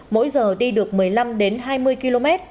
mỗi giờ đi được một mươi năm hai mươi km